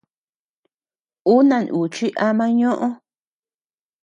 Uu nanuuchi ama ñoʼö.